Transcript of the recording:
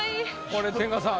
これ千賀さん